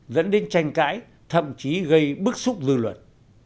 dẫn đến tranh cãi thậm chí gây bức xúc dư luận